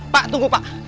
pak tunggu pak